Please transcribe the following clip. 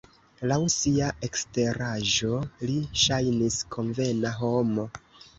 Laŭ sia eksteraĵo li ŝajnis konvena homo.